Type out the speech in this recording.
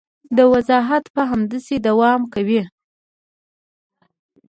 دا وضعیت به همداسې دوام کوي.